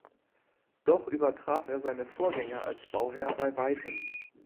Doch übertraf er seine Vorgänger als Bauherr bei weitem.